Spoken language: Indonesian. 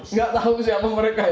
nggak tahu siapa mereka